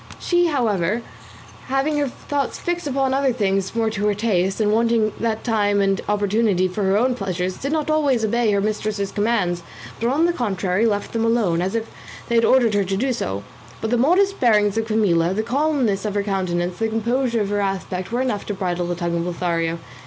She, however, having her thoughts fixed upon other things more to her taste, and wanting that time and opportunity for her own pleasures, did not always obey her mistress's commands, but on the contrary left them alone, as if they had ordered her to do so; but the modest bearing of Camilla, the calmness of her countenance, the composure of her aspect were enough to bridle the tongue of Lothario.